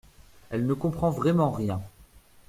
Elle ne comprend vraiment rien!